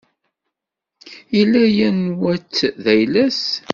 Yella yenwa-tt d ayla-s.